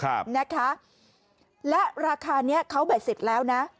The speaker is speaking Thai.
ครับนะคะและราคานี้เขาแบ่งสิทธิ์แล้วนะ